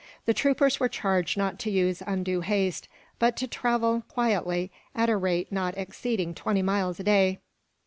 The troopers were charged not to use undue haste, but to travel quietly, at a rate not exceeding twenty miles a day.